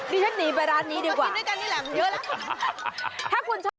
นี่ฉันหนีไปร้านนี้ดีกว่ามีเยอะแล้วมากินด้วยกันนี่แหละ